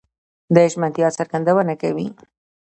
د ژمنتيا څرګندونه کوي؛